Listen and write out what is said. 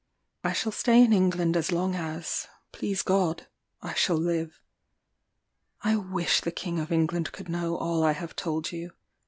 I shall stay in England as long as (please God) I shall live. I wish the King of England could know all I have told you.